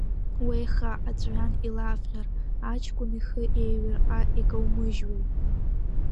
Уеиха аҵәҩан илавҟьар, аҷкәын ихы еиҩырҟьа икаумыжьуеи!